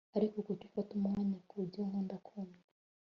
Ariko kuki ufata umwanya kubyo nkunda kumva